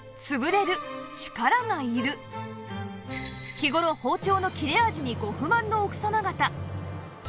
日頃包丁の切れ味にご不満の奥様方